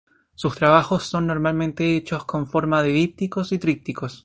Sus trabajos son normalmente hechos en forma de dípticos y trípticos.